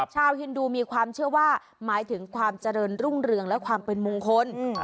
ฮินดูมีความเชื่อว่าหมายถึงความเจริญรุ่งเรืองและความเป็นมงคล